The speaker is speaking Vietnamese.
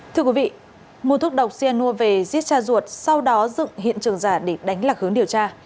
thưa quý vị mua thuốc độc cyanur về giết cha ruột sau đó dựng hiện trường giả để đánh lạc hướng điều tra